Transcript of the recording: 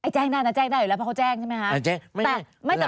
แจ้งได้นะแจ้งได้อยู่แล้วเพราะเขาแจ้งใช่ไหมคะ